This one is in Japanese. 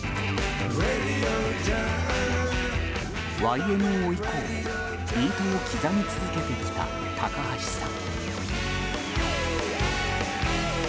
ＹＭＯ以降もビートを刻み続けてきた高橋さん。